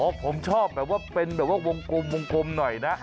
ผมชอบแบบว่าเป็นวงกลมหน่อยนะ